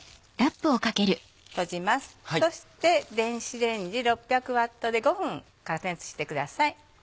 閉じますそして電子レンジ６００Ｗで５分加熱してください。